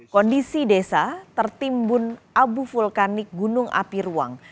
kondisi desa tertimbun abu vulkanik gunung api ruang